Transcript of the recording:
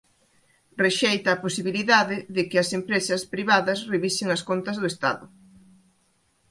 Rexeita a posibilidade de que as empresas privadas revisen as contas do Estado